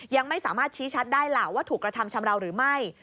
ยังไม่สามารถชี้ชัดได้ล่ะว่าถูกกระทำชำราวหรือไม่